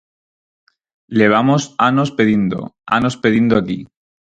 Levamos anos pedindo, anos pedindo aquí.